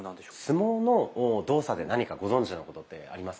相撲の動作で何かご存じなことってありますか？